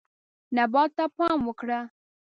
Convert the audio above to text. نبات ته پام وکړه.